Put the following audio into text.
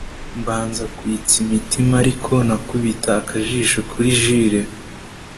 mbanza kwitsa imitima ariko nakubita akajisho kuri Jule